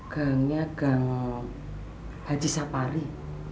gangnya gang haji sapari